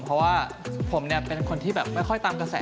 เพราะว่าผมเนี่ยเป็นคนที่แบบไม่ค่อยตามกระแส